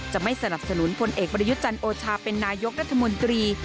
จะไม่สนับสนุนผลเอกบริยุจรรย์โอชาเป็นนายกรัฐมนตรี